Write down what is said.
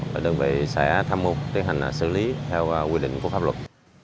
và đơn vị sẽ thăm mưu tiến hành xử lý theo quy định của pháp luật